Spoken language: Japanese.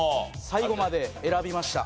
最後まで選びました。